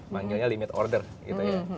manggilnya limit order gitu ya